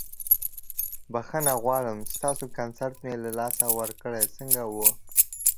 بخښنه غواړم ستاسو کنسرت مې له لاسه ورکړ، څنګه وه؟